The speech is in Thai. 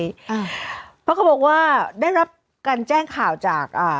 อ่าเพราะเขาบอกว่าได้รับการแจ้งข่าวจากอ่า